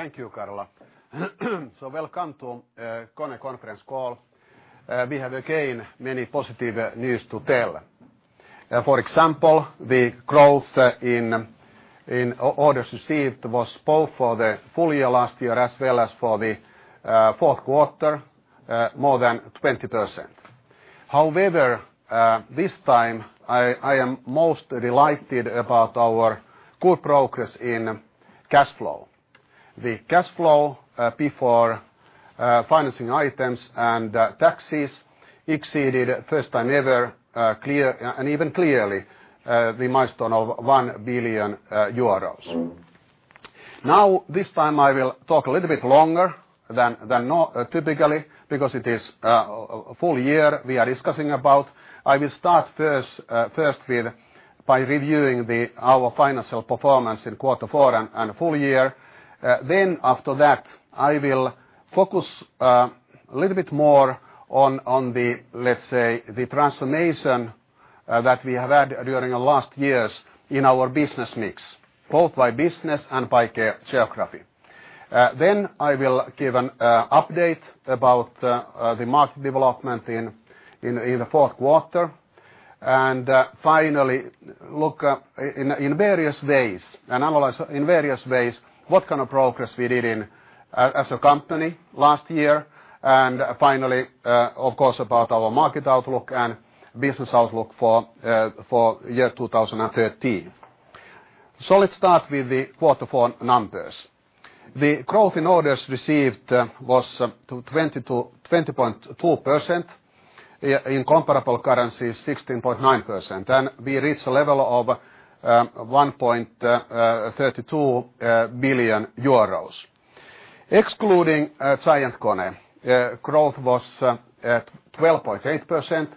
Thank you, Karla. Welcome to KONE conference call. We have again many positive news to tell. For example, the growth in orders received was both for the full year last year as well as for the fourth quarter more than 20%. However, this time I am most delighted about our good progress in cash flow. The cash flow before financing items and taxes exceeded first time ever and even clearly the milestone of 1 billion euros. This time I will talk a little bit longer than typically because it is a full year we are discussing about. I will start first by reviewing our financial performance in quarter four and full year. After that I will focus a little bit more on the, let's say, the transformation that we have had during the last years in our business mix, both by business and by geography. I will give an update about the market development in the fourth quarter and finally look in various ways and analyze in various ways what kind of progress we did as a company last year. Finally, of course, about our market outlook and business outlook for year 2013. Let's start with the quarter four numbers. The growth in orders received was 20.4%, in comparable currencies 16.9%, and we reached a level of 1.32 billion euros. Excluding Giant KONE growth was at 12.8%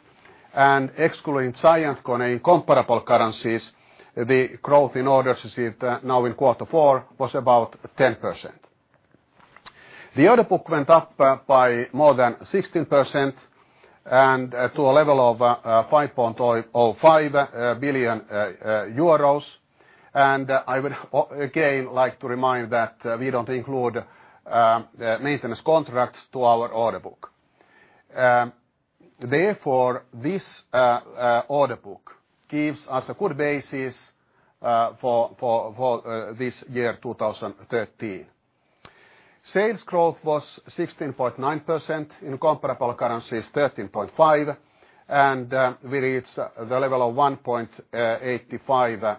and excluding Giant KONE in comparable currencies the growth in orders received now in quarter four was about 10%. The order book went up by more than 16% and to a level of 5.05 billion euros. I would again like to remind you that we don't include maintenance contracts to our order book. This order book gives us a good basis for this year 2013. Sales growth was 16.9%, in comparable currencies 13.5%, and we reached the level of 1.85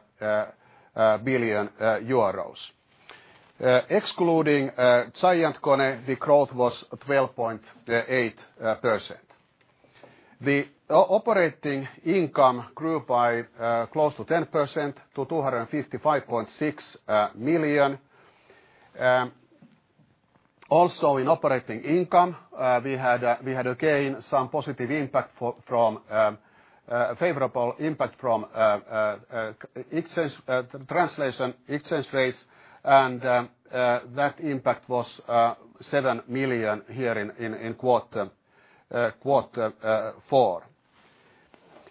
billion euros. Excluding Giant KONE the growth was 12.8%. The operating income grew by close to 10% to 255.6 million. Also in operating income we had again some favorable impact from translation exchange rates and that impact was seven million here in quarter four.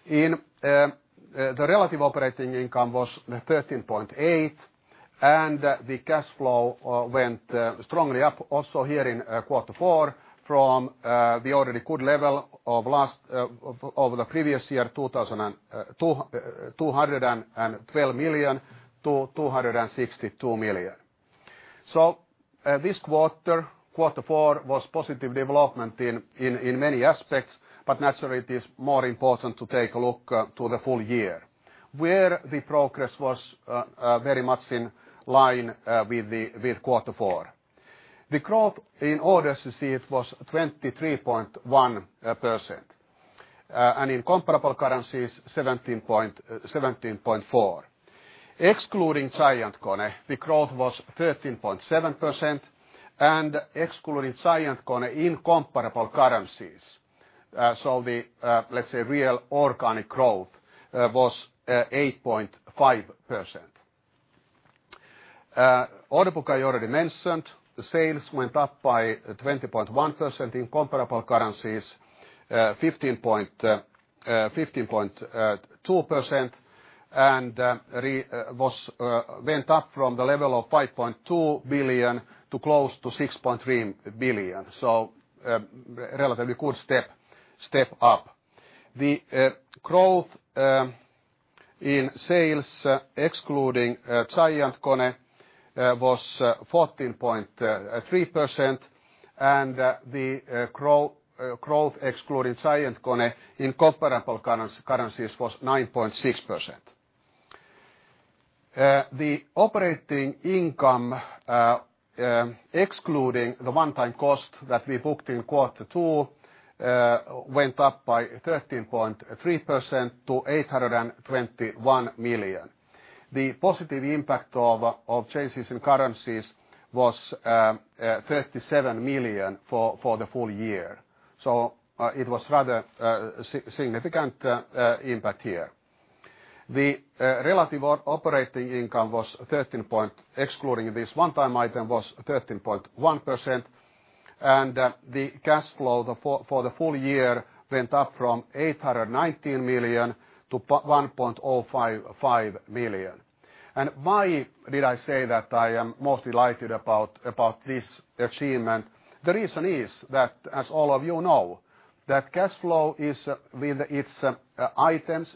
The relative operating income was 13.8% and the cash flow went strongly up also here in quarter four from the already good level of the previous year, 2,012 million to 262 million. This quarter four, was positive development in many aspects, but naturally it is more important to take a look to the full year where the progress was very much in line with quarter four. The growth in orders received was 23.1%, and in comparable currencies 17.4%. Excluding Giant KONE the growth was 13.7% and excluding Giant KONE in comparable currencies. The, let's say real organic growth was 8.5%. Order book I already mentioned. The sales went up by 20.1%, in comparable currencies 15.2% and went up from the level of 5.2 billion to close to 6.3 billion. A relatively good step up. The growth in sales excluding Giant KONE was 14.3% and the growth excluding Giant KONE in comparable currencies was 9.6%. The operating income excluding the one time cost that we booked in quarter two went up by 13.3% to 821 million. The positive impact of changes in currencies was 37 million for the full year. It was rather significant impact here. The relative operating income excluding this one time item was 13.1%. Cash flow for the full year went up from 819 million to 1,055 million. Why did I say that I am most delighted about this achievement? The reason is that, as all of you know, that cash flow with its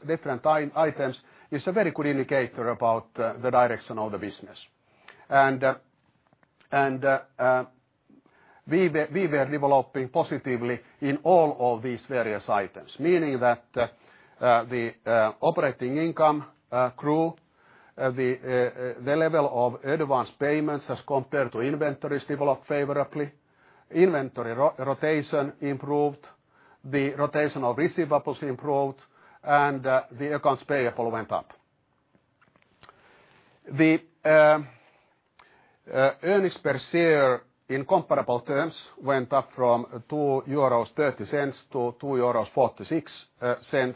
different items is a very good indicator about the direction of the business. We were developing positively in all of these various items, meaning that the operating income grew, the level of advanced payments as compared to inventories developed favorably, inventory rotation improved, the rotation of receivables improved, the accounts payable went up. The earnings per share in comparable terms went up from €2.30 to €2.46.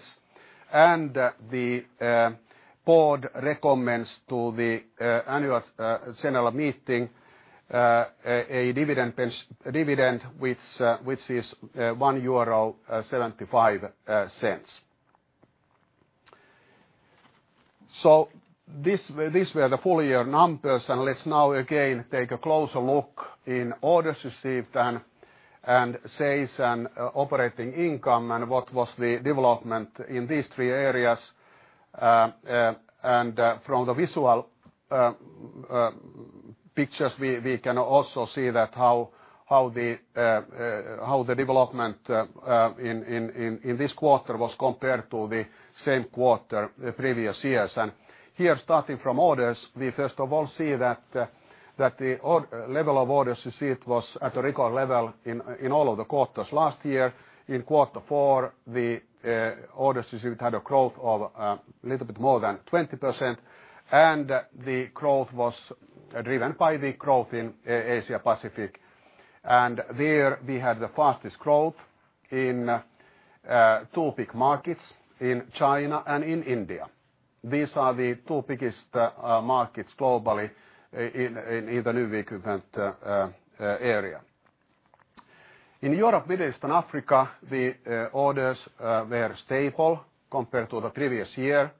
The board recommends to the annual general meeting a dividend which is €1.75. These were the full year numbers. Let's now again take a closer look in orders received and sales and operating income and what was the development in these three areas. From the visual pictures, we can also see that how the development in this quarter was compared to the same quarter the previous years. Here starting from orders, we first of all see that the level of orders received was at a record level in all of the quarters last year. In quarter four, the orders received had a growth of a little bit more than 20%, the growth was driven by the growth in Asia Pacific. There we had the fastest growth in two big markets, in China and in India. These are the two biggest markets globally in the new equipment area. In Europe, Middle East, and Africa, the orders were stable compared to the previous year.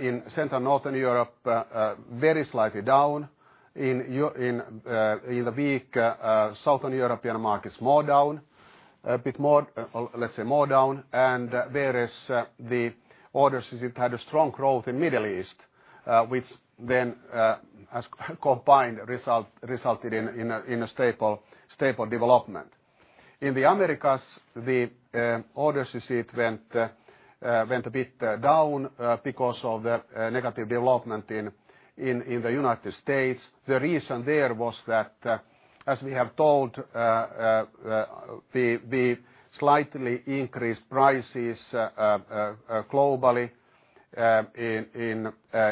In Central Northern Europe very slightly down. In the weak Southern European markets more down, a bit more, let's say more down. Whereas the orders had a strong growth in Middle East which then has combined resulted in a stable development. In the Americas, the orders received went a bit down because of the negative development in the U.S. The reason there was that, as we have told, we slightly increased prices globally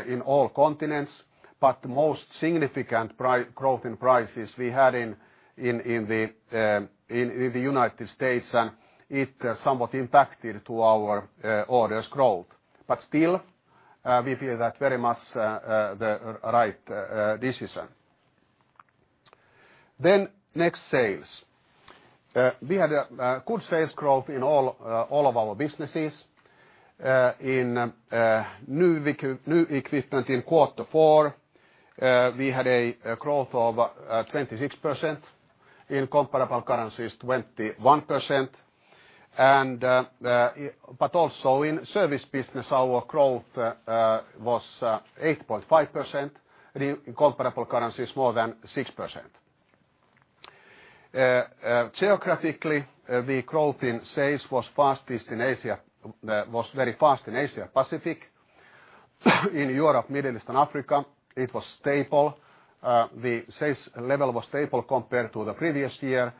in all continents, but the most significant growth in prices we had in the U.S., and it somewhat impacted to our orders growth. Still we feel that very much the right decision. Next, sales. We had a good sales growth in all of our businesses. In new equipment in quarter four we had a growth of 26%, in comparable currencies 21%. Also in service business, our growth was 8.5%, in comparable currencies more than 6%. Geographically, the growth in sales was fastest in Asia-- was very fast in Asia Pacific. In Europe, Middle East and Africa it was stable. The sales level was stable compared to the previous year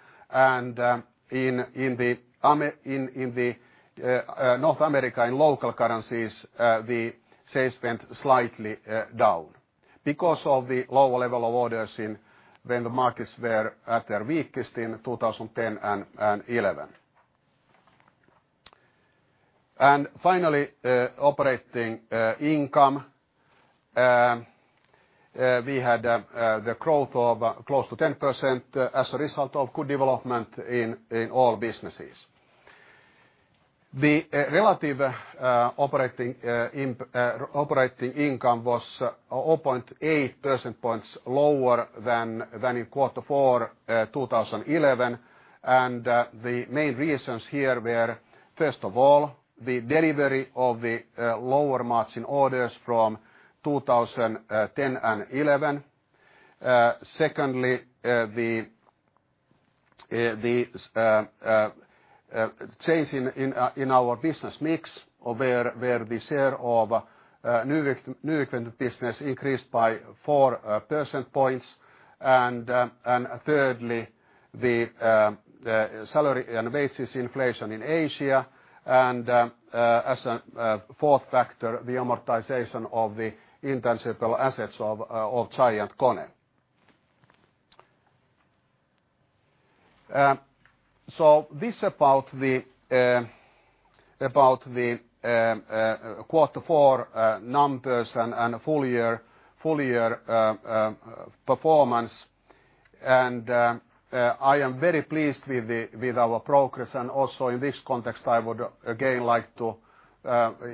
in North America in local currencies the sales went slightly down because of the low level of orders when the markets were at their weakest in 2010 and 2011. Finally operating income. We had the growth of close to 10% as a result of good development in all businesses. The relative operating income was 0.8% points lower than in quarter four 2011. The main reasons here were, first of all, the delivery of the lower margin orders from 2010 and 2011. Secondly, the change in our business mix where the share of new equipment business increased by 4 percentage points. Thirdly, the salary and wages inflation in Asia. As a fourth factor, the amortization of the intangible assets of Giant KONE. This about the quarter four numbers and full year performance. I am very pleased with our progress, also in this context, I would again like to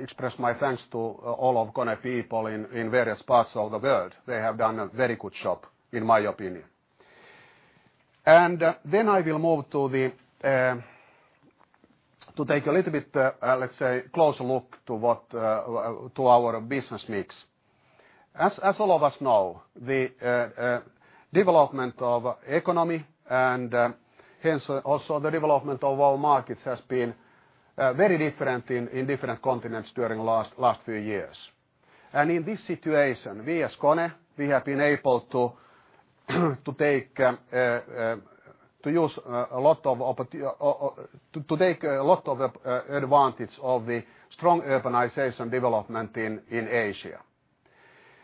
express my thanks to all of KONE people in various parts of the world. They have done a very good job, in my opinion. Then I will move to take a little bit, let's say, closer look to what our business makes. As all of us know, the development of economy and hence also the development of our markets has been very different in different continents during last few years. In this situation, we as KONE, we have been able to take a lot of advantage of the strong urbanization development in Asia.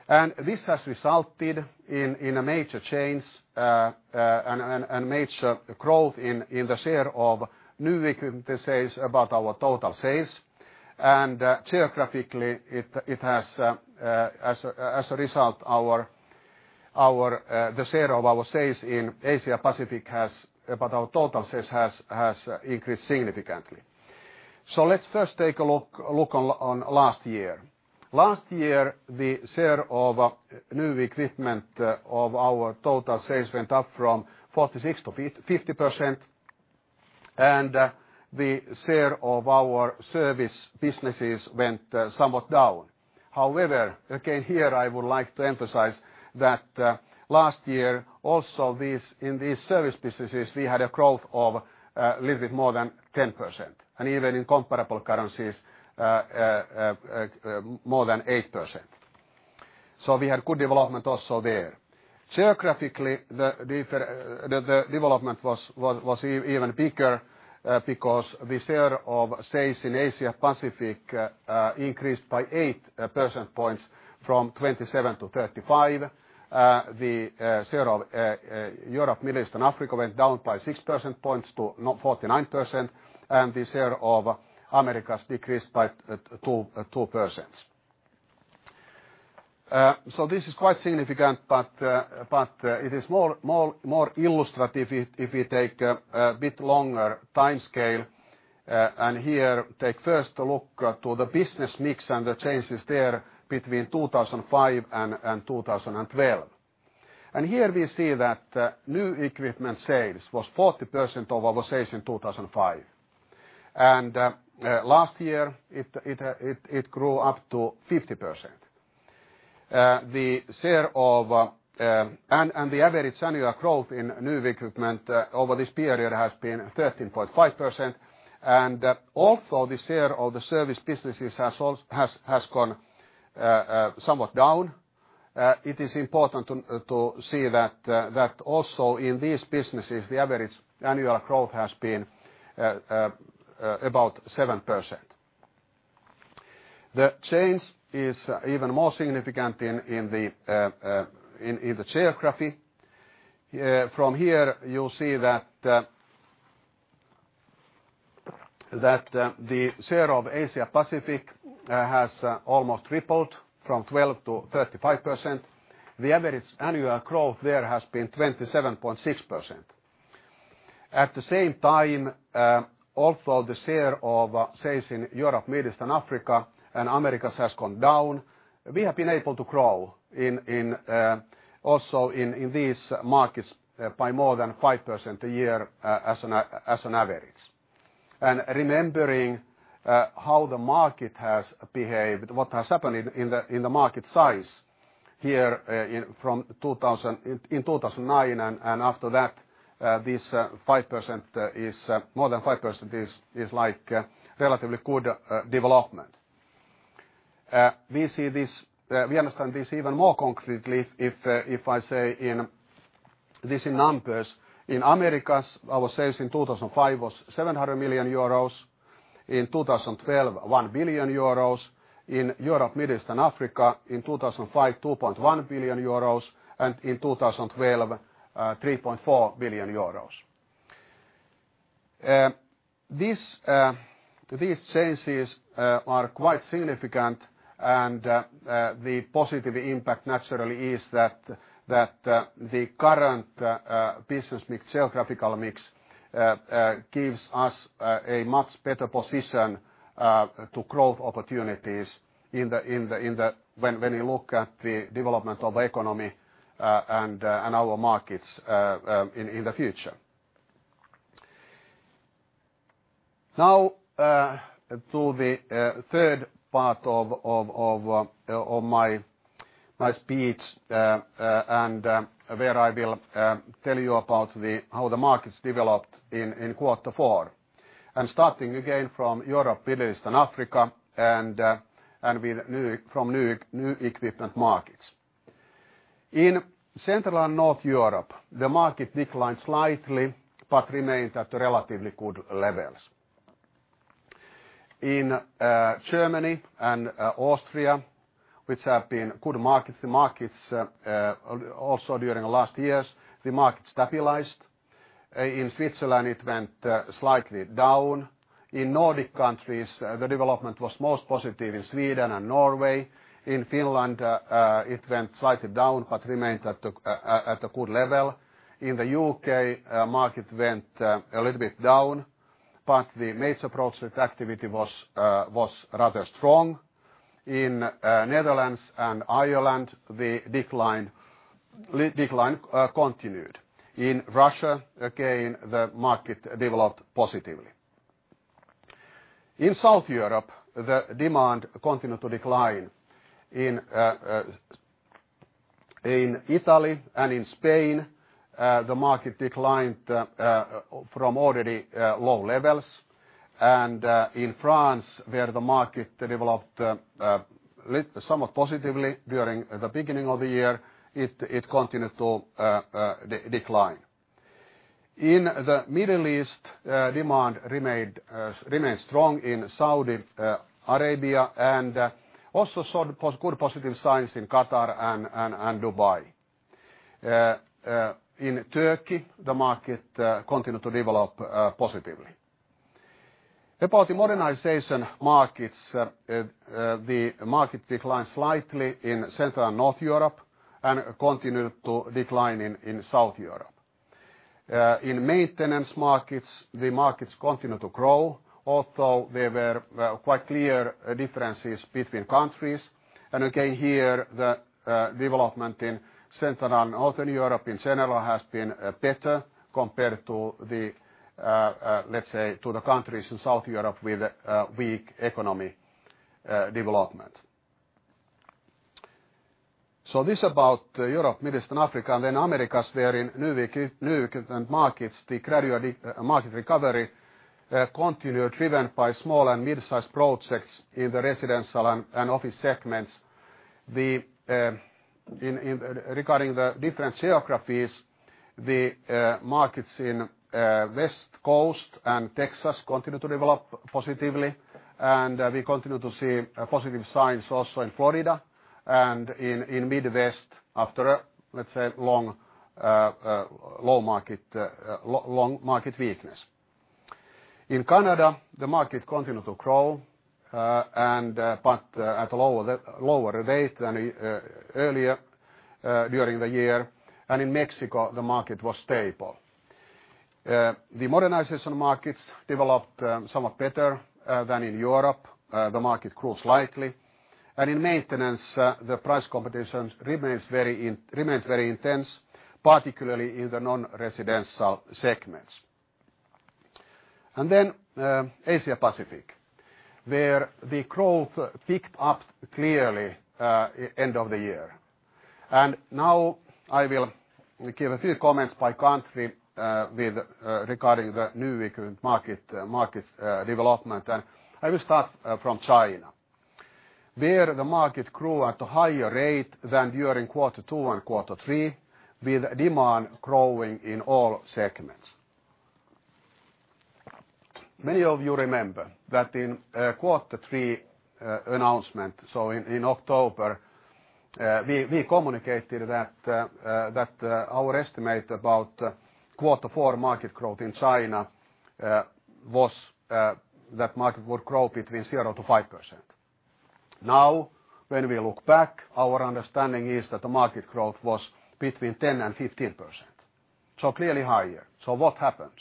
This has resulted in a major change and major growth in the share of new equipment sales of our total sales. Geographically, as a result, the share of our sales in Asia Pacific of our total sales has increased significantly. Let's first take a look on last year. Last year, the share of new equipment of our total sales went up from 46%-50% and the share of our service businesses went somewhat down. However, again, here I would like to emphasize that last year also in these service businesses, we had a growth of a little bit more than 10% and even in comparable currencies, more than 8%. We had good development also there. Geographically, the development was even bigger because the share of sales in Asia Pacific increased by 8 percentage points from 27-35. The share of Europe, Middle East, and Africa went down by 6 percentage points to now 49%, and the share of Americas decreased by 2%. This is quite significant, but it is more illustrative if we take a bit longer timescale and here take first a look to the business mix and the changes there between 2005 and 2012. Here we see that new equipment sales was 40% of our sales in 2005. Last year it grew up to 50%. The average annual growth in new equipment over this period has been 13.5%, and although the share of the service businesses has gone somewhat down, it is important to see that also in these businesses, the average annual growth has been about 7%. The change is even more significant in the geography. Here, you'll see that the share of Asia Pacific has almost tripled from 12%-35%. The average annual growth there has been 27.6%. At the same time, although the share of sales in Europe, Middle East, and Africa and Americas has gone down, we have been able to grow also in these markets by more than 5% a year as an average. Remembering how the market has behaved, what has happened in the market size here in 2009 and after that, this more than 5% is relatively good development. We understand this even more concretely if I say this in numbers. In Americas, our sales in 2005 was 700 million euros. In 2012, 1 billion euros. In Europe, Middle East, and Africa in 2005, 2.1 billion euros and in 2012, 3.4 billion euros. The positive impact naturally is that the current business mix, geographical mix gives us a much better position to growth opportunities when you look at the development of economy and our markets in the future. To the third part of my speech where I will tell you about how the markets developed in quarter four, starting again from Europe, Middle East, and Africa, and from New equipment markets. In Central and North Europe, the market declined slightly but remained at relatively good levels. In Germany and Austria, which have been good markets, the markets also during last years, the market stabilized. In Switzerland, it went slightly down. In Nordic countries, the development was most positive in Sweden and Norway. In Finland, it went slightly down, but remained at a good level. In the U.K., market went a little bit down, but the major project activity was rather strong. In Netherlands and Ireland, the decline continued. In Russia, again, the market developed positively. In South Europe, the demand continued to decline. In Italy and in Spain, the market declined from already low levels and in France, where the market developed somewhat positively during the beginning of the year, it continued to decline. In the Middle East, demand remained strong in Saudi Arabia and also saw good positive signs in Qatar and Dubai. In Turkey, the market continued to develop positively. About the modernization markets, the market declined slightly in Central and North Europe and continued to decline in South Europe. In maintenance markets, the markets continued to grow although there were quite clear differences between countries. Again here, the development in Central and North Europe in general has been better compared to the, let's say, to the countries in South Europe with weak economy development. This about Europe, Middle East, and Africa. Americas, where in New equipment markets, the gradual market recovery continued, driven by small and mid-sized projects in the residential and office segments. Regarding the different geographies, the markets in West Coast and Texas continued to develop positively, and we continue to see positive signs also in Florida and in Midwest after, let's say, long market weakness. In Canada, the market continued to grow, but at a lower rate than earlier during the year, and in Mexico the market was stable. The modernization markets developed somewhat better than in Europe. The market grew slightly. In maintenance the price competition remains very intense, particularly in the non-residential segments. Asia Pacific, where the growth picked up clearly end of the year. I will give a few comments by country regarding the New equipment market development. I will start from China, where the market grew at a higher rate than during quarter two and quarter three, with demand growing in all segments. Many of you remember that in quarter three announcement, so in October, we communicated that our estimate about quarter four market growth in China was that market would grow between 0%-5%. When we look back, our understanding is that the market growth was between 10%-15%, so clearly higher. What happened?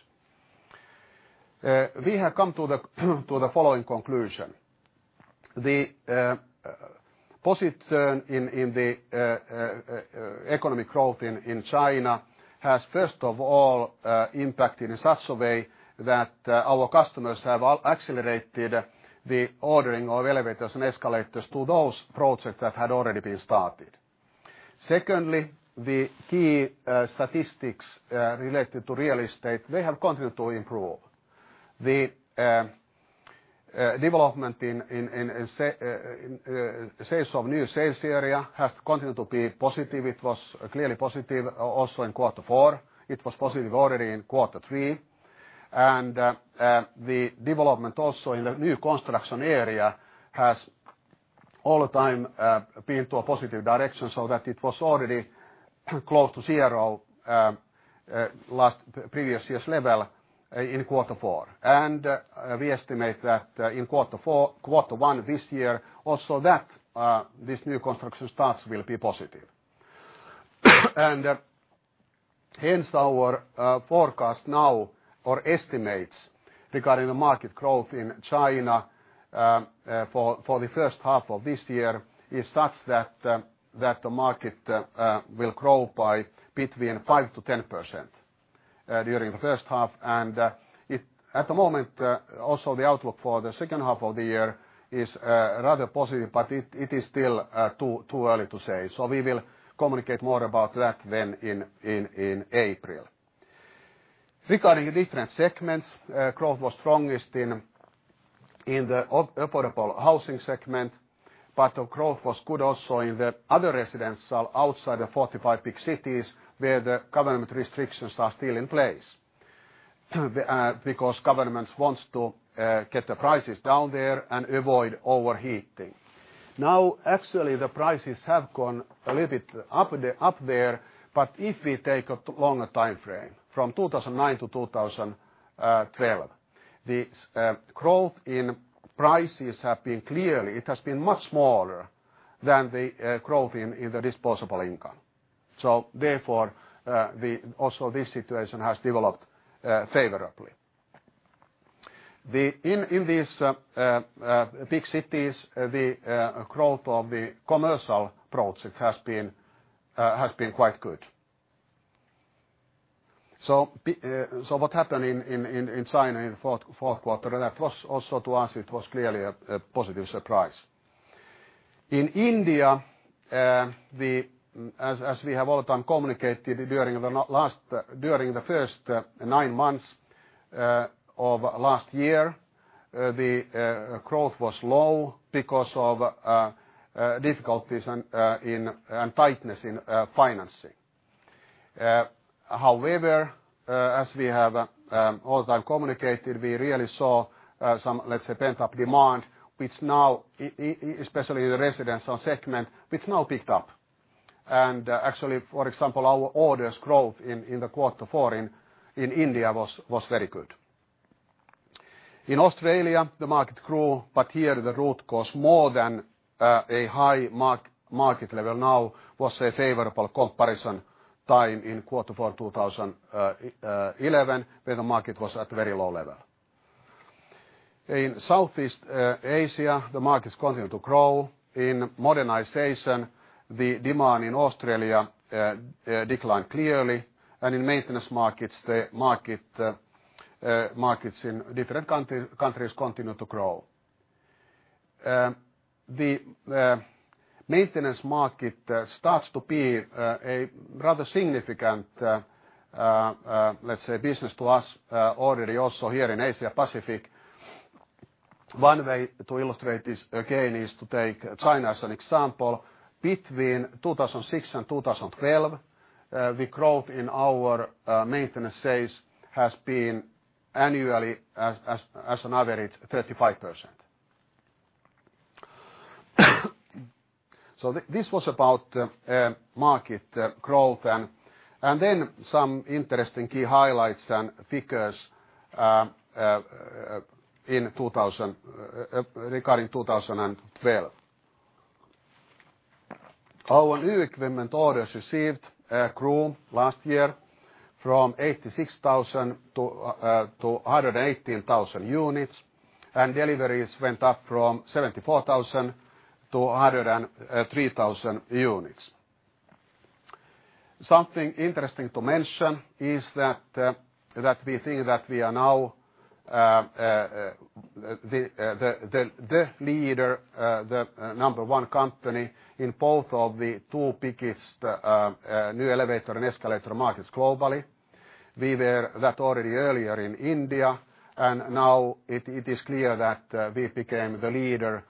We have come to the following conclusion. The positive turn in the economic growth in China has, first of all, impacted in such a way that our customers have accelerated the ordering of elevators and escalators to those projects that had already been started. Secondly, the key statistics related to real estate, they have continued to improve. The development in sales of new sales area has continued to be positive. It was clearly positive also in quarter four. It was positive already in quarter three. The development also in the new construction area has all the time been to a positive direction, so that it was already close to zero previous year's level in quarter four. We estimate that in quarter one this year also that these new construction starts will be positive. Hence our forecast now or estimates regarding the market growth in China for the first half of this year is such that the market will grow by between 5%-10% during the first half and at the moment also the outlook for the second half of the year is rather positive, but it is still too early to say. We will communicate more about that then in April. Regarding different segments, growth was strongest in the affordable housing segment, but growth was good also in the other residential outside the 45 big cities where the government restrictions are still in place. Governments want to get the prices down there and avoid overheating. Actually, the prices have gone a little bit up there, but if we take a longer timeframe, from 2009 to 2012, the growth in prices has been much smaller than the growth in the disposable income. Therefore, also this situation has developed favorably. In these big cities, the growth of the commercial projects has been quite good. What happened in China in the fourth quarter, that was also to us, it was clearly a positive surprise. In India, as we have all the time communicated during the first nine months of last year, the growth was low because of difficulties and tightness in financing. However, as we have all the time communicated, we really saw some, let's say, pent-up demand, especially in the residential segment, which now picked up. Actually, for example, our orders growth in the quarter four in India was very good. In Australia, the market grew, but here the root cause more than a high market level now was a favorable comparison time in quarter four 2011, where the market was at a very low level. In Southeast Asia, the markets continued to grow. In modernization, the demand in Australia declined clearly, and in maintenance markets, the markets in different countries continued to grow. The maintenance market starts to be a rather significant, let's say, business to us already also here in Asia Pacific. One way to illustrate this again is to take China as an example. Between 2006 and 2012, the growth in our maintenance sales has been annually as an average 35%. This was about market growth and then some interesting key highlights and figures regarding 2012. Our new equipment orders received grew last year from 86,000 to 118,000 units, and deliveries went up from 74,000 to 103,000 units. Something interesting to mention is that we think that we are now the leader, the number 1 company in both of the two biggest new elevator and escalator markets globally. We were that already earlier in India, and now it is clear that we became the leader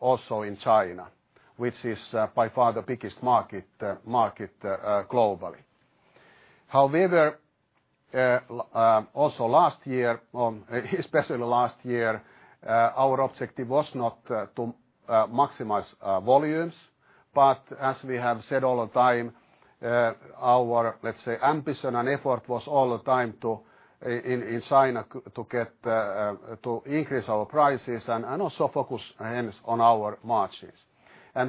also in China, which is by far the biggest market globally. Especially last year our objective was not to maximize volumes, but as we have said all the time, our ambition and effort was all the time in China to increase our prices and also focus on our margins.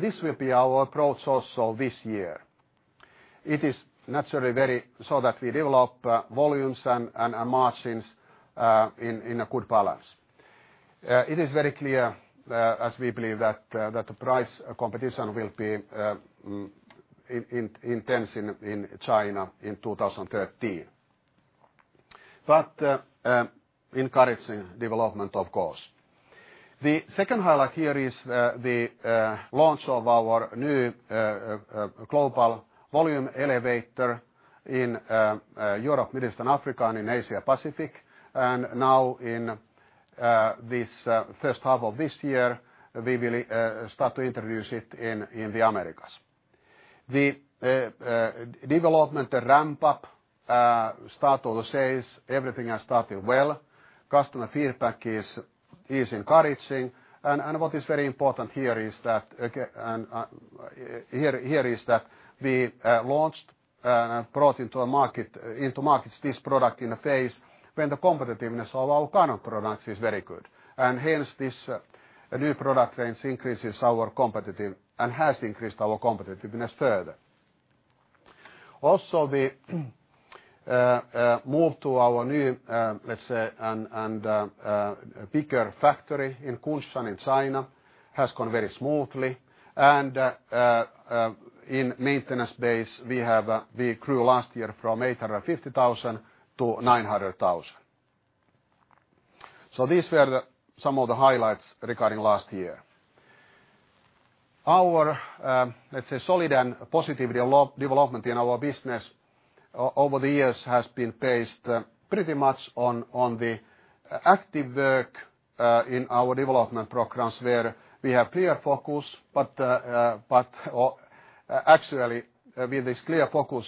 This will be our approach also this year so that we develop volumes and margins in a good balance. It is very clear as we believe that the price competition will be intense in China in 2013. Encouraging development of course. The second highlight here is the launch of our new global volume elevator in Europe, Middle East, and Africa and in Asia Pacific and now in this first half of this year, we will start to introduce it in the Americas. The development ramp-up, start of the sales, everything has started well. Customer feedback is encouraging and what is very important here is that we launched and brought into markets this product in a phase when the competitiveness of our current products is very good and hence this new product range has increased our competitiveness further. Also, the move to our new, let's say, and bigger factory in Kunshan in China has gone very smoothly and in maintenance base we grew last year from 850,000 to 900,000. These were some of the highlights regarding last year. Our solid and positive development in our business over the years has been based pretty much on the active work in our development programs where we have clear focus but Actually, with this clear focus,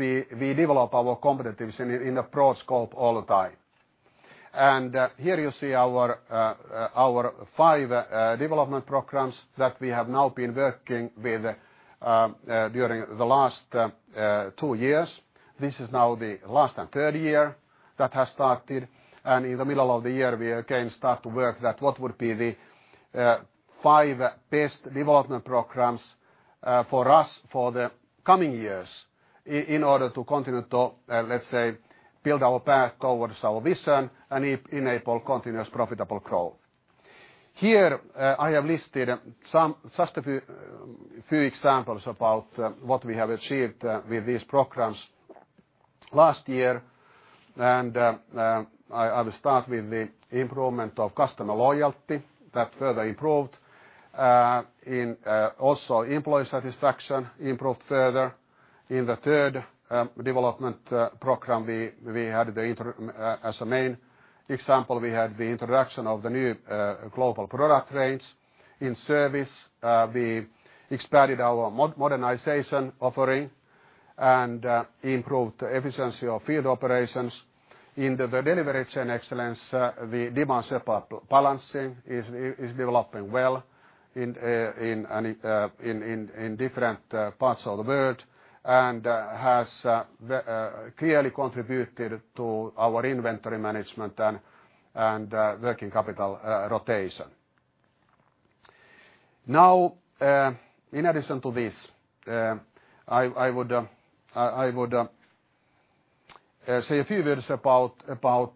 we develop our competitiveness in the broad scope all the time. And here you see our five development programs that we have now been working with during the last two years. This is now the last and third year that has started, and in the middle of the year, we again start to work that what would be the five best development programs for us for the coming years in order to continue to, let's say, build our path towards our vision and enable continuous profitable growth. Here I have listed just a few examples about what we have achieved with these programs last year. And I will start with the improvement of customer loyalty that further improved and also employee satisfaction improved further. In the third development program, as a main example, we had the introduction of the new global product range. In service, we expanded our modernization offering and improved efficiency of field operations. In the delivery excellence, the demand supply balancing is developing well in different parts of the world and has clearly contributed to our inventory management and working capital rotation. In addition to this, I would say a few words about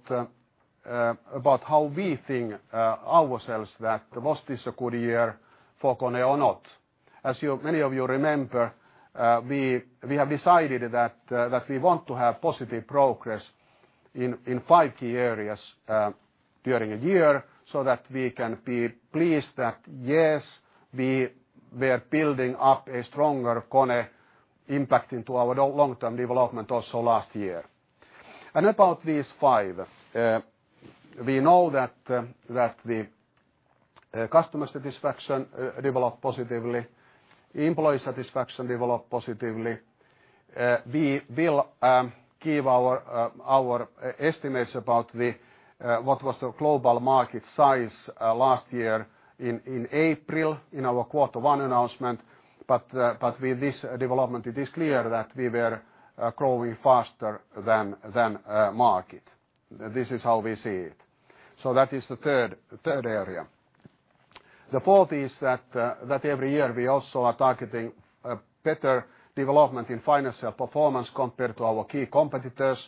how we think ourselves that was this a good year for KONE or not. As many of you remember, we have decided that we want to have positive progress in five key areas during a year so that we can be pleased that, yes, we are building up a stronger KONE impact into our long-term development also last year. About these five, we know that the customer satisfaction developed positively, employee satisfaction developed positively. We will give our estimates about what was the global market size last year in April in our quarter one announcement, with this development, it is clear that we were growing faster than market. This is how we see it. That is the third area. The fourth is that every year we also are targeting a better development in financial performance compared to our key competitors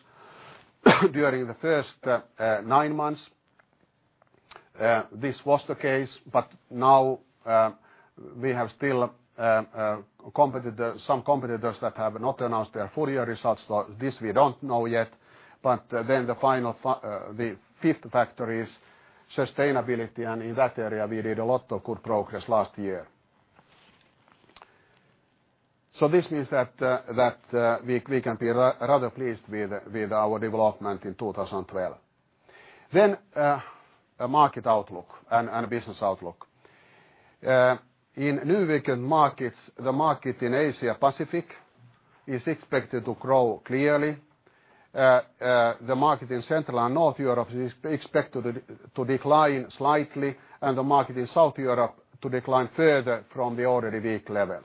during the first nine months. This was the case, now we have still some competitors that have not announced their full year results. This we don't know yet, the fifth factor is sustainability, and in that area we made a lot of good progress last year. This means that we can be rather pleased with our development in 2012. Market outlook and business outlook. In New equipment markets, the market in Asia Pacific is expected to grow clearly. The market in Central and North Europe is expected to decline slightly and the market in South Europe to decline further from the already weak levels.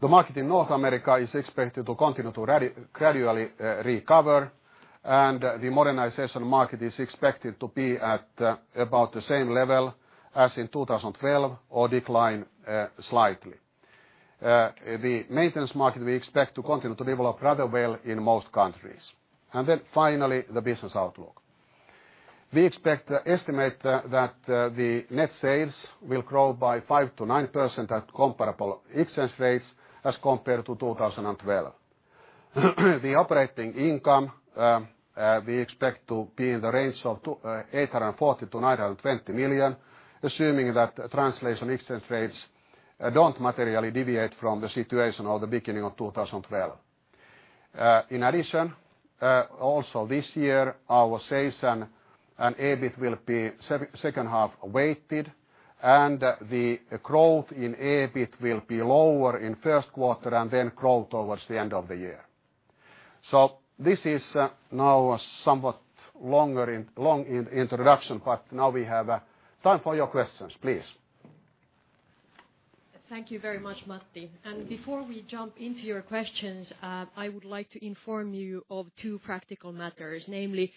The market in North America is expected to continue to gradually recover, and the modernization market is expected to be at about the same level as in 2012 or decline slightly. The maintenance market we expect to continue to develop rather well in most countries. Finally, the business outlook. We estimate that the net sales will grow by 5%-9% at comparable exchange rates as compared to 2012. The operating income we expect to be in the range of 840 million-920 million, assuming that translation exchange rates don't materially deviate from the situation of the beginning of 2012. In addition, also this year our sales and EBIT will be second-half weighted and the growth in EBIT will be lower in first quarter, growth towards the end of the year. This is now a somewhat long introduction, now we have time for your questions. Please. Thank you very much, Matti. Before we jump into your questions, I would like to inform you of two practical matters. Namely,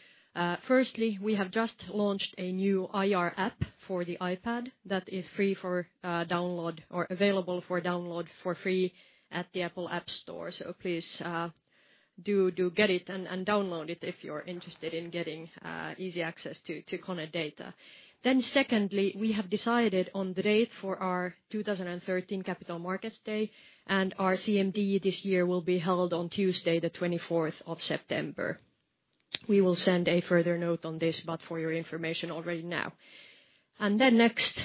firstly, we have just launched a new IR app for the iPad that is free for download or available for download for free at the Apple App Store. Please do get it and download it if you're interested in getting easy access to KONE data. Secondly, we have decided on the date for our 2013 Capital Markets Day and our CMD this year will be held on Tuesday the 24th of September. We will send a further note on this, but for your information already now. Next,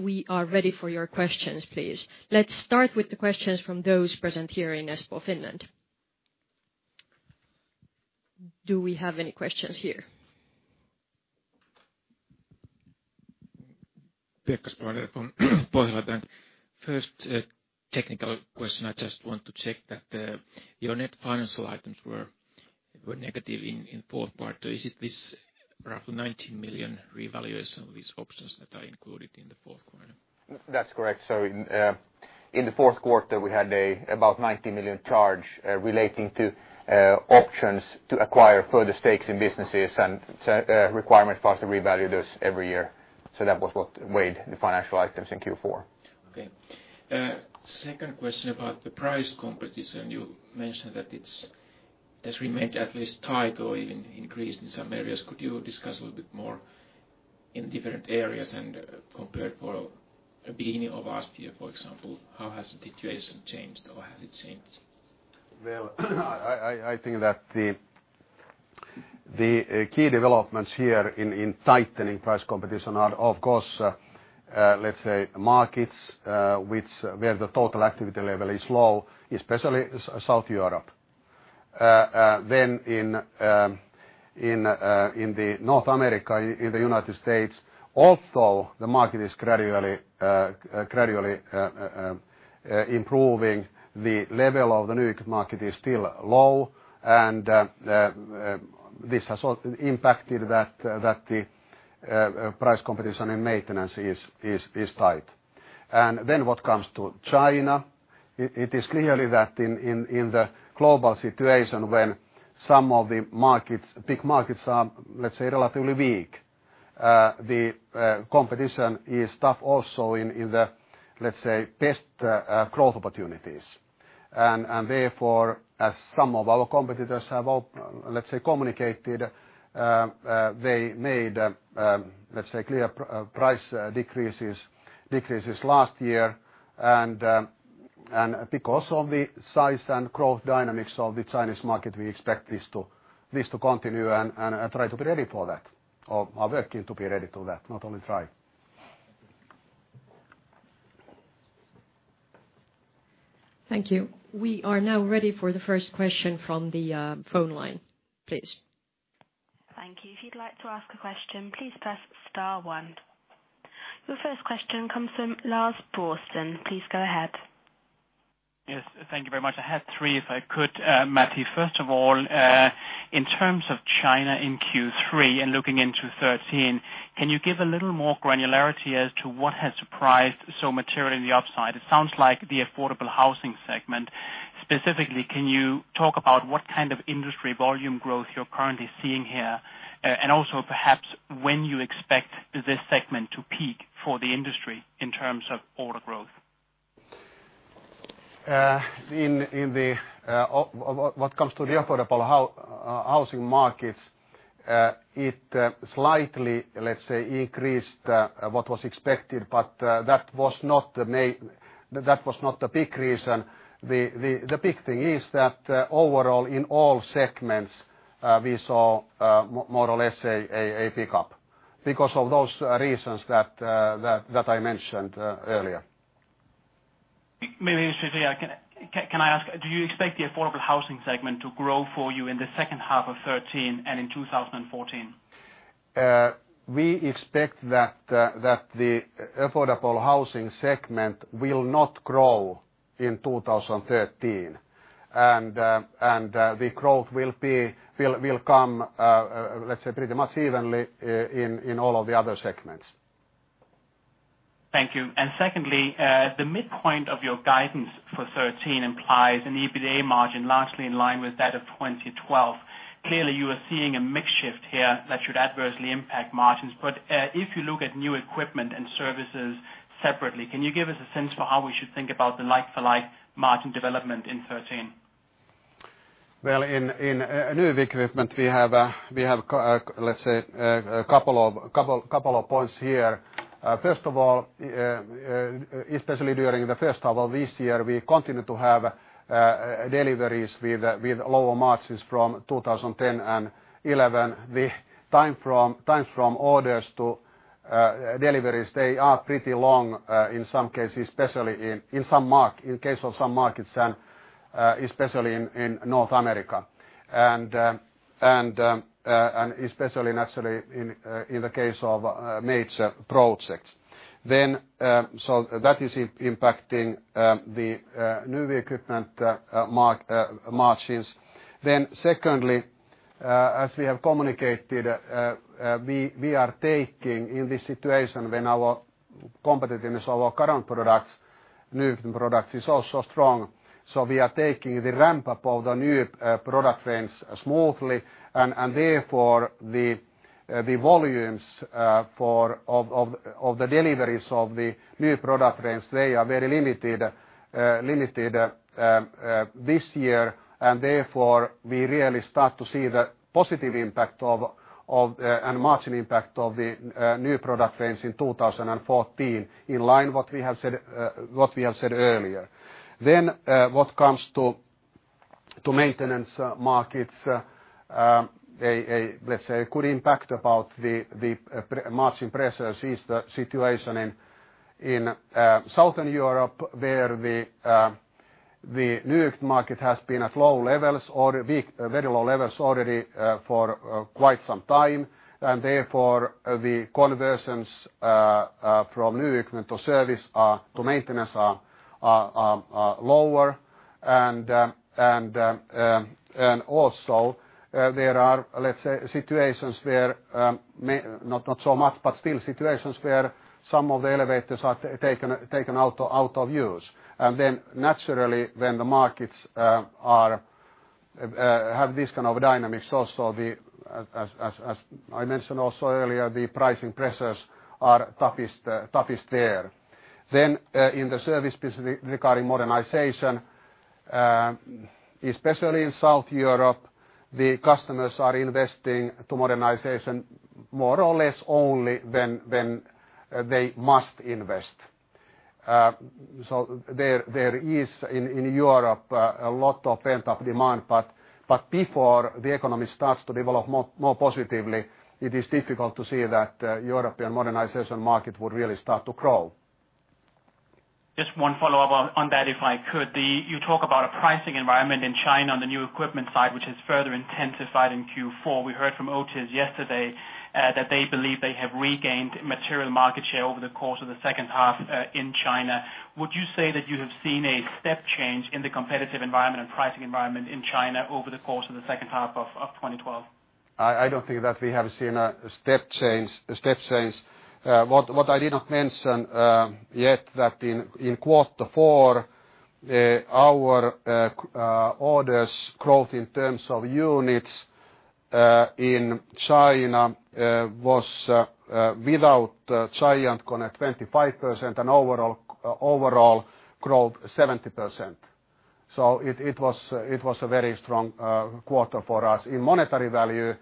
we are ready for your questions, please. Let's start with the questions from those present here in Espoo, Finland. Do we have any questions here? Pekka Spolander from Pohjola Bank. First, a technical question. I just want to check that your net financial items were negative in Q4. Is it this roughly 19 million revaluation of these options that are included in the fourth quarter? That's correct. In the fourth quarter, we had about a 19 million charge relating to options to acquire further stakes in businesses and requirement for us to revalue those every year. That was what weighed the financial items in Q4. Okay. Second question about the price competition. You mentioned that it has remained at least tight or even increased in some areas. Could you discuss a little bit more in different areas and compared for beginning of last year, for example, how has the situation changed or has it changed? Well, I think that the key developments here in tightening price competition are, of course, let's say markets where the total activity level is low, especially South Europe. In North America, in the United States, although the market is gradually improving, the level of the new equipment market is still low and this has also impacted that the price competition in maintenance is tight. What comes to China, it is clear that in the global situation when some of the big markets are, let's say, relatively weak, the competition is tough also in the, let's say, best growth opportunities. As some of our competitors have, let's say, communicated they made, let's say clear price decreases last year. Because of the size and growth dynamics of the Chinese market, we expect this to continue and try to be ready for that or are working to be ready for that, not only try. Thank you. We are now ready for the first question from the phone line, please. Thank you. If you'd like to ask a question, please press star one. The first question comes from Lars Borresen. Please go ahead. Yes. Thank you very much. I had three if I could, Matti. First of all, in terms of China in Q3 and looking into 2013, can you give a little more granularity as to what has surprised so materially on the upside? It sounds like the affordable housing segment. Specifically, can you talk about what kind of industry volume growth you're currently seeing here? Also perhaps when you expect this segment to peak for the industry in terms of order growth. What comes to the affordable housing markets, it slightly, let's say, increased what was expected, but that was not the big reason. The big thing is that overall in all segments, we saw more or less a pickup because of those reasons that I mentioned earlier. Maybe just here, can I ask, do you expect the affordable housing segment to grow for you in the second half of 2013 and in 2014? We expect that the affordable housing segment will not grow in 2013. The growth will come, let's say, pretty much evenly in all of the other segments. Thank you. Secondly, the midpoint of your guidance for 2013 implies an EBITDA margin largely in line with that of 2012. Clearly, you are seeing a mix shift here that should adversely impact margins. If you look at new equipment and services separately, can you give us a sense for how we should think about the like for like margin development in 2013? In new equipment we have, let's say a couple of points here. First of all, especially during the first half of this year, we continue to have deliveries with lower margins from 2010 and 2011. The times from orders to deliveries they are pretty long, in some cases, especially in case of some markets and especially in North America and especially naturally in the case of major projects. That is impacting the new equipment margins. Secondly, as we have communicated we are taking in this situation when our competitiveness of our current products, new equipment products is also strong. We are taking the ramp up of the new product range smoothly and therefore the volumes of the deliveries of the new product range they are very limited this year. Therefore, we really start to see the positive impact and margin impact of the new product range in 2014 in line what we have said earlier. What comes to maintenance markets, let's say a good impact about the margin pressures is the situation in Southern Europe where the new equipment market has been at very low levels already for quite some time, therefore the conversions from new equipment to maintenance are lower. Also there are, let's say, situations where, not so much, but still situations where some of the elevators are taken out of use. Naturally, when the markets have this kind of dynamics also, as I mentioned also earlier, the pricing pressures are toughest there. In the service regarding modernization, especially in South Europe, the customers are investing to modernization more or less only when they must invest. There is, in Europe, a lot of pent-up demand, but before the economy starts to develop more positively, it is difficult to see that European modernization market would really start to grow. Just one follow-up on that, if I could. You talk about a pricing environment in China on the new equipment side, which has further intensified in Q4. We heard from Otis yesterday that they believe they have regained material market share over the course of the second half in China. Would you say that you have seen a step change in the competitive environment and pricing environment in China over the course of the second half of 2012? I don't think that we have seen a step change. What I did not mention yet, that in quarter four our orders growth in terms of units in China was, without Giant KONE, 25% and overall growth 70%. It was a very strong quarter for us. In monetary value,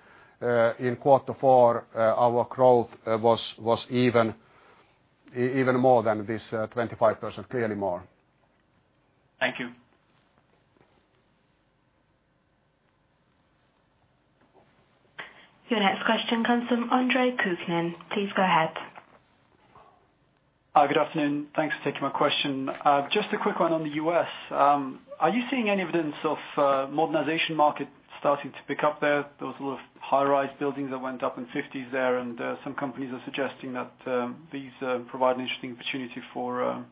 in quarter four, our growth was even more than this 25%, clearly more. Thank you. Your next question comes from Andre Kukhnin. Please go ahead. Hi. Good afternoon. Thanks for taking my question. Just a quick one on the U.S. Are you seeing any evidence of modernization market starting to pick up there? Those little high-rise buildings that went up in the 1950s there, and some companies are suggesting that these provide an interesting opportunity for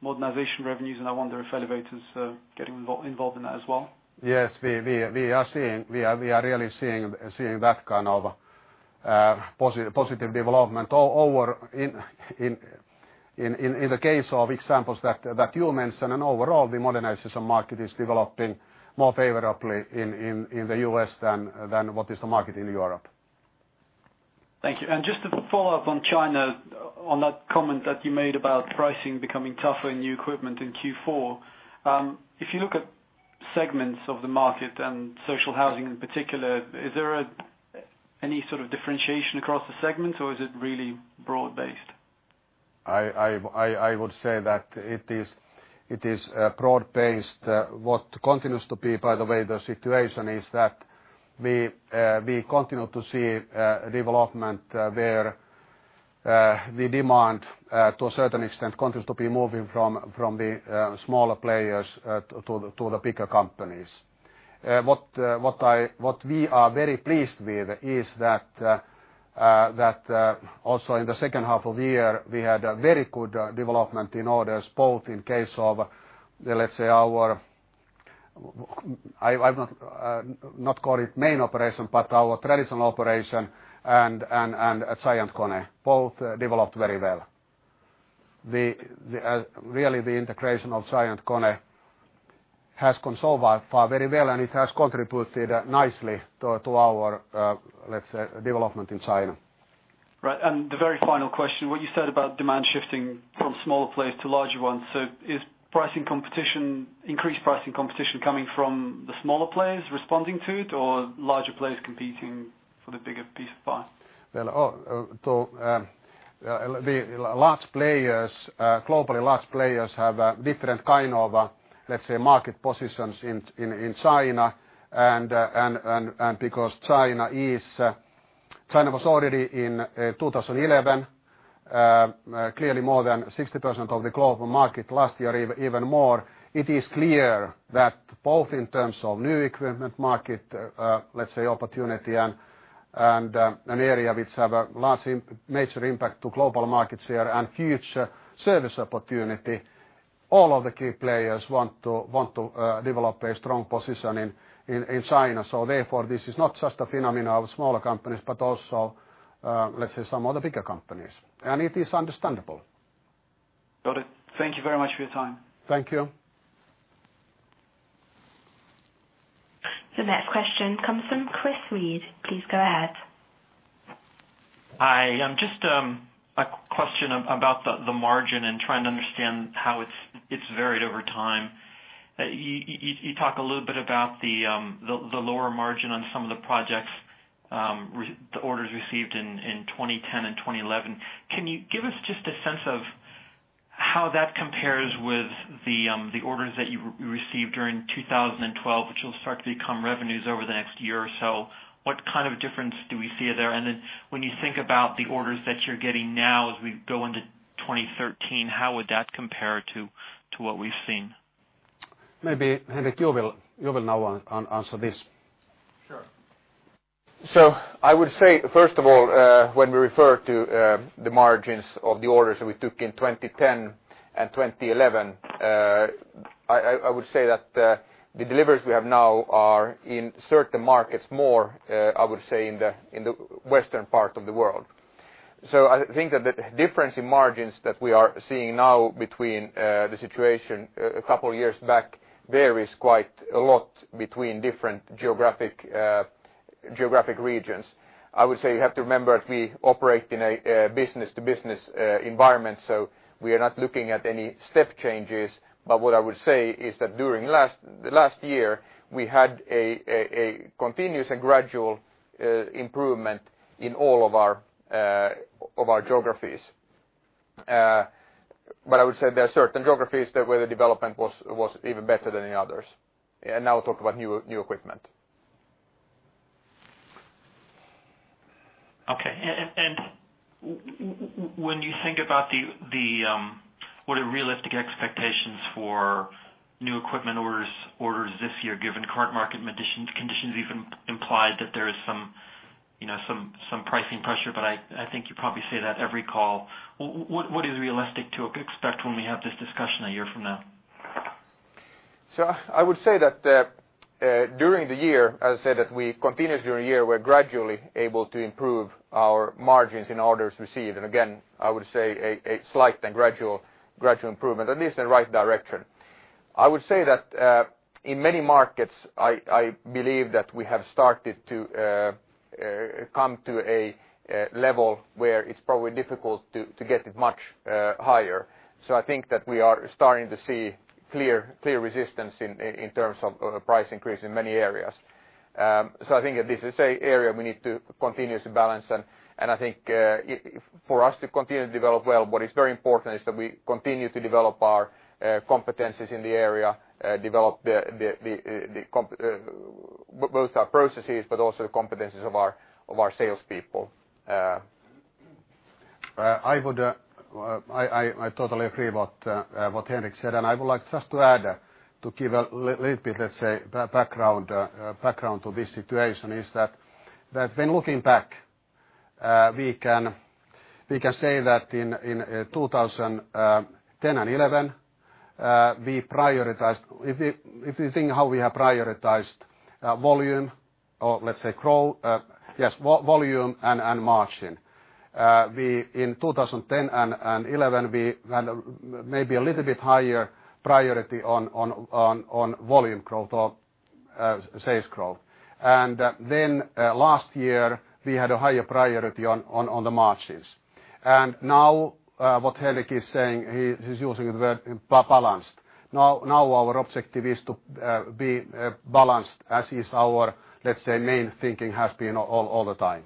modernization revenues, and I wonder if elevators getting involved in that as well. Yes, we are really seeing that kind of positive development or in the case of examples that you mentioned and overall the modernization market is developing more favorably in the U.S. than what is the market in Europe. Thank you. Just as a follow-up on China, on that comment that you made about pricing becoming tougher in new equipment in Q4, if you look at segments of the market and social housing in particular, is there any sort of differentiation across the segments, or is it really broad-based? I would say that it is broad-based. What continues to be, by the way, the situation is that we continue to see development where the demand to a certain extent continues to be moving from the smaller players to the bigger companies. What we are very pleased with is that also in the second half of the year, we had a very good development in orders, both in case of, let's say our, I would not call it main operation, but our traditional operation and at Giant KONE, both developed very well. Really the integration of Giant KONE has gone so far very well, and it has contributed nicely to our development in China. The very final question, what you said about demand shifting from smaller players to larger ones. Is increased pricing competition coming from the smaller players responding to it or larger players competing for the bigger piece of pie? Well, globally large players have a different kind of market positions in China and because China was already in 2011 clearly more than 60% of the global market last year, even more, it is clear that both in terms of New equipment market, let's say, opportunity and an area which have a major impact to global market share and future service opportunity. All of the key players want to develop a strong position in China. Therefore, this is not just a phenomenon of smaller companies, but also let's say some other bigger companies. It is understandable. Got it. Thank you very much for your time. Thank you. The next question comes from Chris Reed. Please go ahead. Hi. Just a question about the margin and trying to understand how it's varied over time. You talk a little bit about the lower margin on some of the projects the orders received in 2010 and 2011. Can you give us just a sense of how that compares with the orders that you received during 2012, which will start to become revenues over the next year or so? What kind of difference do we see there? Then when you think about the orders that you're getting now as we go into 2013, how would that compare to what we've seen? Maybe Henrik, you will now answer this. Sure. I would say, first of all, when we refer to the margins of the orders that we took in 2010 and 2011, I would say that the deliveries we have now are in certain markets more, I would say, in the western part of the world. I think that the difference in margins that we are seeing now between the situation a couple of years back varies quite a lot between different geographic regions. I would say you have to remember that we operate in a business-to-business environment, so we are not looking at any step changes. What I would say is that during the last year, we had a continuous and gradual improvement in all of our geographies. I would say there are certain geographies where the development was even better than the others. Now I'll talk about new equipment. When you think about what are realistic expectations for new equipment orders this year, given current market conditions even implied that there is some pricing pressure, but I think you probably say that every call. What is realistic to expect when we have this discussion a year from now? I would say that during the year, as I said, that we're gradually able to improve our margins in orders received. Again, I would say a slight and gradual improvement, at least in the right direction. I would say that in many markets, I believe that we have started to come to a level where it's probably difficult to get it much higher. I think that we are starting to see clear resistance in terms of price increase in many areas. I think this is an area we need to continuously balance, and I think for us to continue to develop well, what is very important is that we continue to develop our competencies in the area, develop both our processes, but also competencies of our salespeople. I totally agree what Henrik said, and I would like just to add to give a little bit, let's say, background to this situation is that when looking back, we can say that in 2010 and 2011 we prioritized. If you think how we have prioritized volume or let's say growth, yes, volume and margin. In 2010 and 2011, we had maybe a little bit higher priority on volume growth or sales growth. Last year, we had a higher priority on the margins. What Henrik is saying, he's using the word balanced. Now our objective is to be balanced, as is our, let's say, main thinking has been all the time.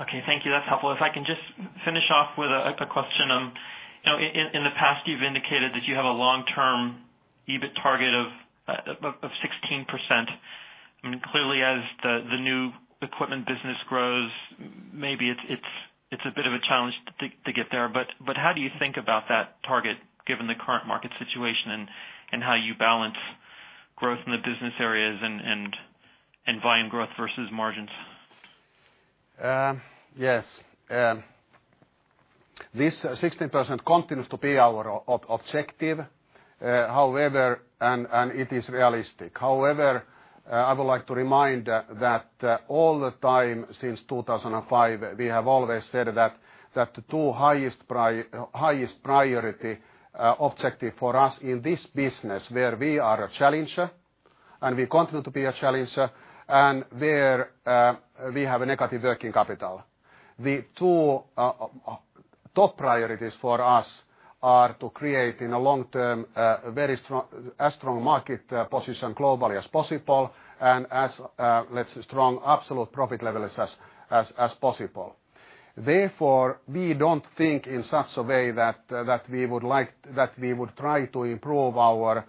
Okay, thank you. That's helpful. If I can just finish off with a question. In the past, you've indicated that you have a long-term EBIT target of 16%. I mean, clearly as the new equipment business grows, maybe it's a bit of a challenge to get there. How do you think about that target given the current market situation and how you balance growth in the business areas and volume growth versus margins? Yes. This 16% continues to be our objective. However, it is realistic. I would like to remind that all the time since 2005, we have always said that the two highest priority objective for us in this business where we are a challenger, we continue to be a challenger, and where we have a negative working capital. The two top priorities for us are to create, in the long term, as strong market position globally as possible and as strong absolute profit levels as possible. We don't think in such a way that we would try to improve our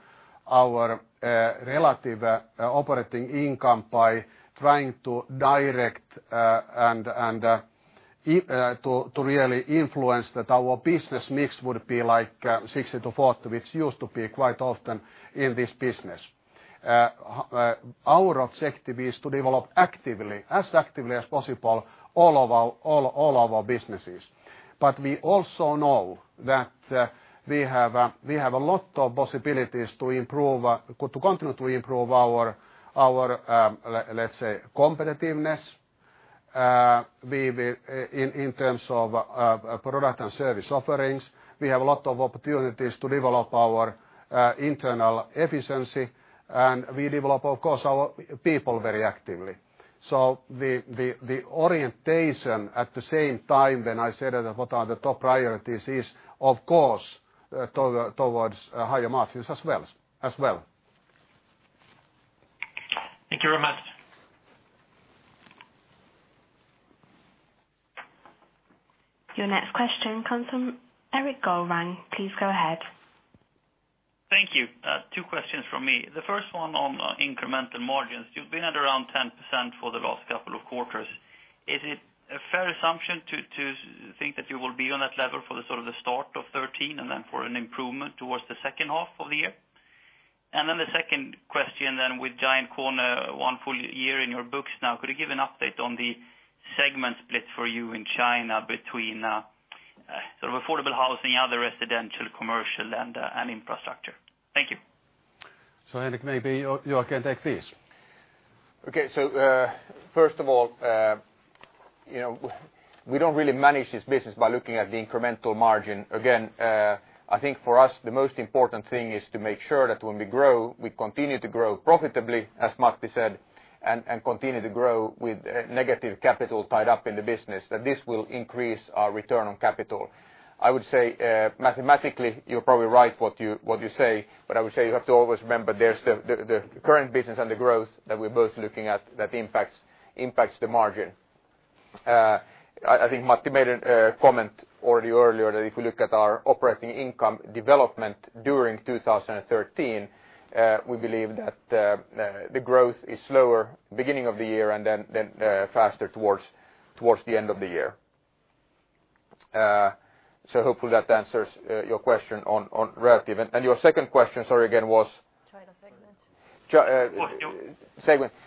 relative operating income by trying to direct and to really influence that our business mix would be like 60/40, which used to be quite often in this business. Our objective is to develop actively, as actively as possible, all of our businesses. We also know that we have a lot of possibilities to continue to improve our, let's say, competitiveness in terms of product and service offerings. We have a lot of opportunities to develop our internal efficiency, and we develop, of course, our people very actively. The orientation at the same time when I said what are the top priorities is, of course, towards higher margins as well. Thank you very much. Your next question comes from Eric Gollang. Please go ahead. Thank you. Two questions from me. The first one on incremental margins. You've been at around 10%. quarters. Is it a fair assumption to think that you will be on that level for the start of 2013, and then for an improvement towards the second half of the year? The second question then, with Giant KONE one full year in your books now, could you give an update on the segment split for you in China between affordable housing, other residential, commercial, and infrastructure? Thank you. Henrik, maybe you can take this. Okay. First of all, we don't really manage this business by looking at the incremental margin. Again, I think for us, the most important thing is to make sure that when we grow, we continue to grow profitably, as Matti said, and continue to grow with negative capital tied up in the business, that this will increase our return on capital. I would say, mathematically, you're probably right what you say, but I would say you have to always remember there's the current business and the growth that we're both looking at that impacts the margin. I think Matti made a comment already earlier that if we look at our operating income development during 2013, we believe that the growth is slower beginning of the year and then faster towards the end of the year. Hopefully that answers your question on relative. Your second question, sorry again, was- China segments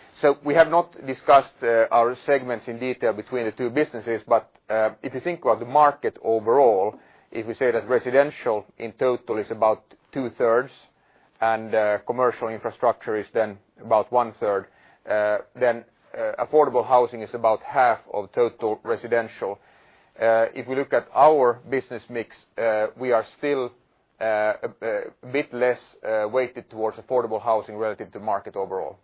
We have not discussed our segments in detail between the two businesses, but if you think about the market overall, if we say that residential in total is about two-thirds and commercial infrastructure is then about one-third, affordable housing is about half of total residential. If we look at our business mix, we are still a bit less weighted towards affordable housing relative to market overall.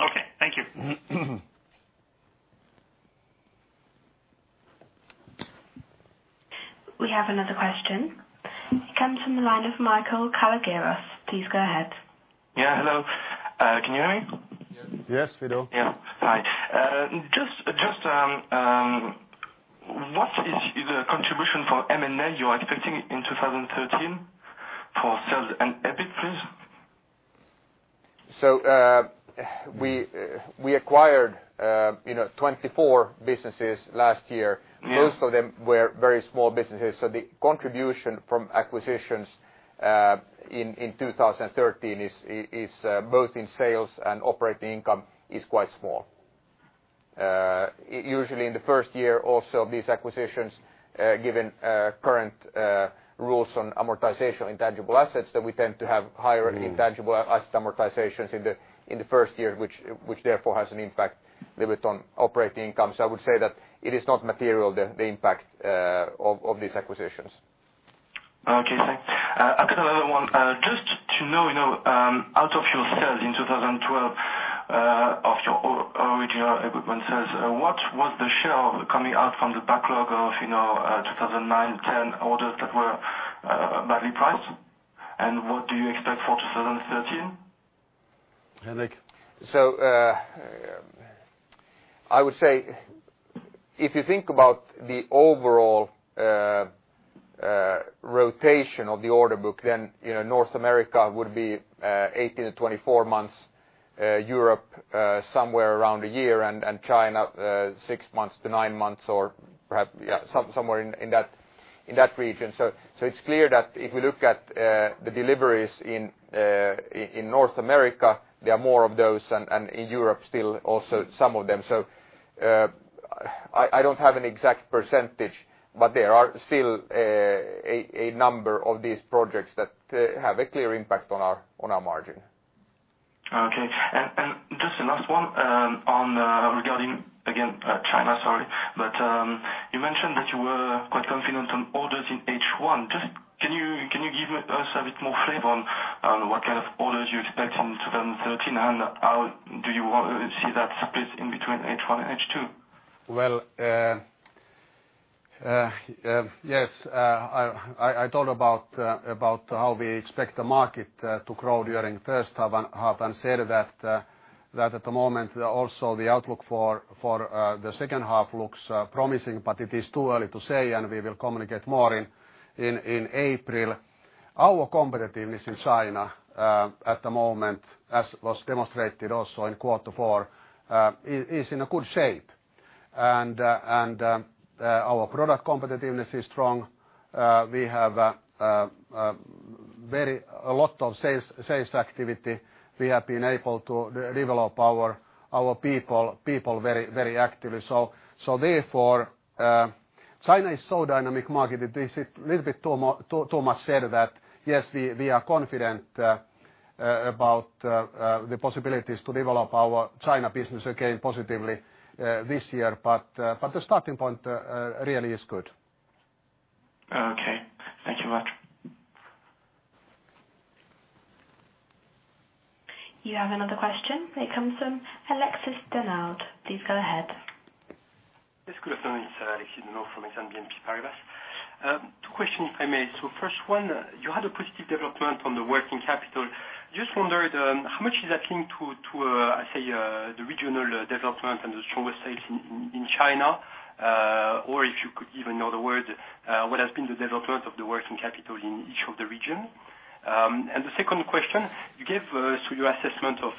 Okay. Thank you. We have another question. It comes from the line of Michael Harleaux. Please go ahead. Hello. Can you hear me? Yes, we do. Hi. Just what is the contribution for M&A you are expecting in 2013 for sales and EBIT please? We acquired 24 businesses last year. Most of them were very small businesses, the contribution from acquisitions in 2013 both in sales and operating income is quite small. Usually in the first year also, these acquisitions, given current rules on amortization intangible assets, that we tend to have higher- Intangible asset amortizations in the first year, which therefore has an impact a little bit on operating income. I would say that it is not material, the impact of these acquisitions. Okay, thanks. I got another one. Just to know, out of your sales in 2012, of your original equipment sales, what was the share coming out from the backlog of 2009, 2010 orders that were badly priced? What do you expect for 2013? Henrik. I would say if you think about the overall rotation of the order book, North America would be 18-24 months, Europe somewhere around a year, and China 6-9 months or perhaps somewhere in that region. It's clear that if we look at the deliveries in North America, there are more of those, and in Europe still also some of them. I don't have an exact percentage, there are still a number of these projects that have a clear impact on our margin. Okay. Just the last one regarding, again, China, sorry. You mentioned that you were quite confident on orders in H1. Can you give us a bit more flavor on what kind of orders you expect in 2013, and how do you see that split in between H1 and H2? Well, yes. I thought about how we expect the market to grow during first half and said that at the moment, also the outlook for the second half looks promising, but it is too early to say, and we will communicate more in April. Our competitiveness in China at the moment, as was demonstrated also in quarter four, is in a good shape. Our product competitiveness is strong. We have a lot of sales activity. We have been able to develop our people very actively. Therefore, China is so dynamic market that this is a little bit too much said that yes, we are confident about the possibilities to develop our China business again positively this year. The starting point really is good. Okay. Thank you much. You have another question. It comes from Alexis Denault. Please go ahead. Yes, good afternoon. It's Alexis Denault from Exane BNP Paribas. Two questions, if I may. First one, you had a positive development on the working capital. Just wondered how much is that linked to, I'd say, the regional development and the stronger sales in China? If you could give another word, what has been the development of the working capital in each of the region? The second question, you gave us your assessment of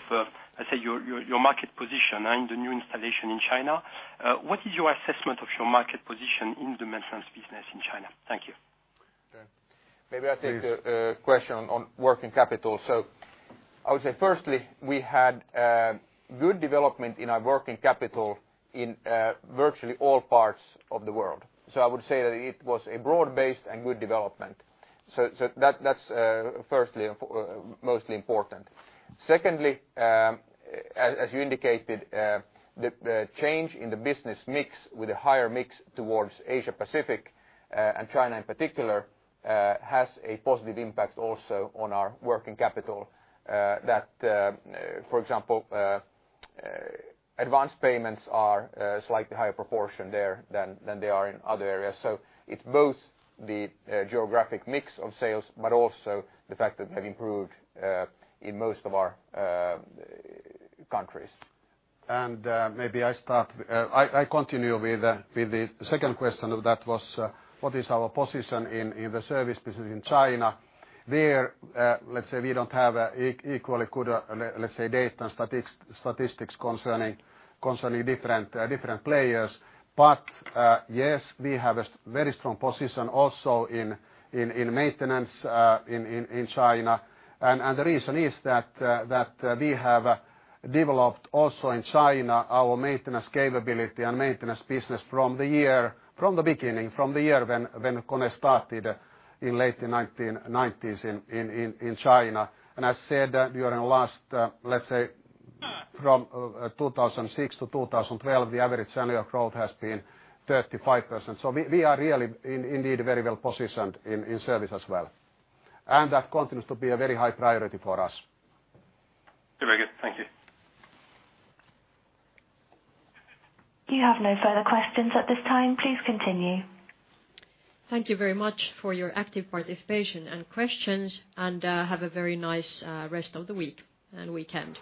your market position and the new installation in China. What is your assessment of your market position in the maintenance business in China? Thank you. Okay. Maybe I'll take the question on working capital. I would say, firstly, we had good development in our working capital in virtually all parts of the world. I would say that it was a broad-based and good development. That's firstly, mostly important. Secondly, as you indicated, the change in the business mix with a higher mix towards Asia-Pacific and China in particular, has a positive impact also on our working capital that, for example, advanced payments are a slightly higher proportion there than they are in other areas. It's both the geographic mix of sales, but also the fact that they've improved in most of our countries. Maybe I continue with the second question that was, what is our position in the service business in China, where, let's say we don't have equally good data statistics concerning different players. Yes, we have a very strong position also in maintenance in China. The reason is that we have developed also in China our maintenance capability and maintenance business from the beginning, from the year when KONE started in late 1990s in China. I said during the last let's say from 2006 to 2012, the average annual growth has been 35%. We are really indeed very well positioned in service as well. That continues to be a very high priority for us. Very good. Thank you. You have no further questions at this time. Please continue. Thank you very much for your active participation and questions. Have a very nice rest of the week and weekend.